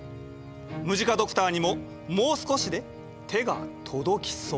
ムジカドクターにももう少しで手が届きそう」。